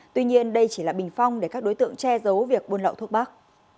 tuy nhiên đây chỉ là bình phong để các đối tượng che giấu việc buôn lậu thuốc bắc